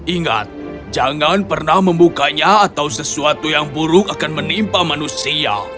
ingat jangan pernah membukanya atau sesuatu yang buruk akan menimpa manusia